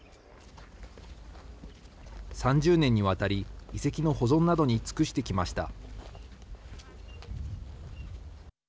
３０年にわたり遺跡の保存などに尽くしてきました。